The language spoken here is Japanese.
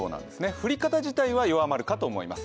降り方自体は弱まるかと思います。